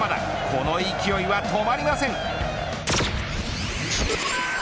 この勢いは止まりません。